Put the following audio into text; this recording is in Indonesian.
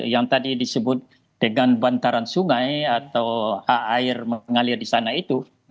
yang tadi disebut dengan bantaran sungai atau air mengalir di sana itu